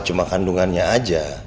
cuma kandungannya aja